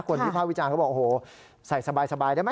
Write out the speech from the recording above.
วิภาควิจารณ์เขาบอกโอ้โหใส่สบายได้ไหม